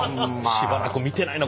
しばらく見てないな